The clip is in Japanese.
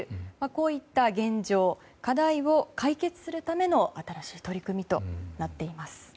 こういった現状、課題を解決するための新しい取り組みとなっています。